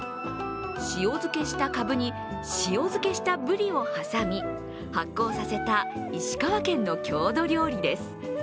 塩漬けしたかぶに、塩漬けしたブリを挟み発酵させた石川県の郷土料理です。